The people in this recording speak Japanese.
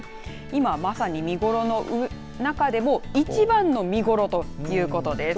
今、まさに見頃の中でも一番の見頃ということです。